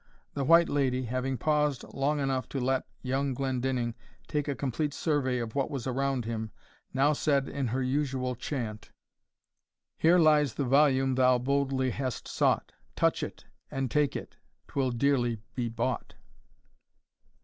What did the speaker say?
The White Lady, having paused long enough to let young Glendinning take a complete survey of what was around him, now said in her usual chant, "Here lies the volume thou boldly hast sought; Touch it, and take it, 'twill dearly be bought!"